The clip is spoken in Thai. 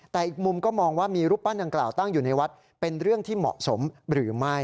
แต่อีกมุมก็มองว่ามีรูปปั้นดังกล่าวตั้งอยู่ในวัดเป็นเรื่องที่เหมาะสมหรือไม่